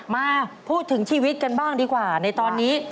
มาพูดถึงชีวิตกันบ้างดีกว่าในตอนนี้